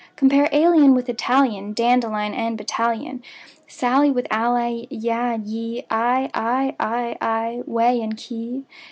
Compare alien with Italian, Dandelion with battalion, Sally with ally; yea, ye, Eye, I, ay, aye, whey, key, quay!